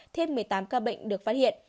thêm một mươi tám ca bệnh được phát hiện